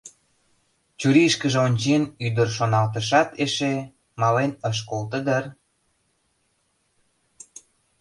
Чурийышкыже ончен, ӱдыр шоналтышат эше: мален ыш колто дыр?